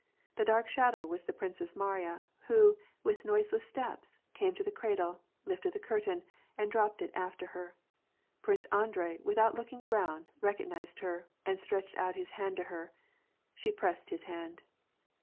The dark shadow w^as the Princess Mariya, who, with noiseless steps, came to the cradle, lifted the curtain, and dropped it after her. Prince Andrei, without looking around, recognized her, and stretched out his hand to her. She pressed his hand.